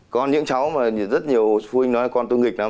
còn những cháu mà rất nhiều phụ huynh nói là con tương nghịch lắm